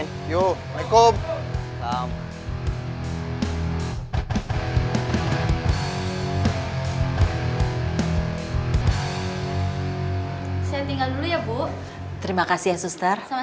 s judi il zona nama mbah hmm saya tinggal dulu ya bu terima kasih ya suster sama sama bu